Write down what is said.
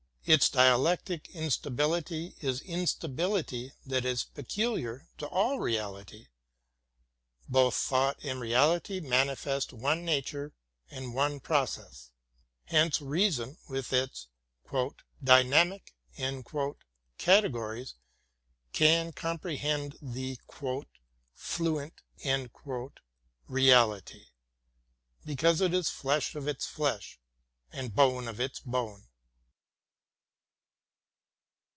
Its dialectic insta bility is instability that is peculiar to all reality. Both thought and reality manifest one nature and one process. Hence reason with its *' dynamic" categories can compre hend the ''fluent" reality, because it is flesh of its flesh and bone of its bone.